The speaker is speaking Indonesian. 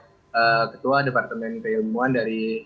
saya sebagai ketua departemen keilmuan dari iman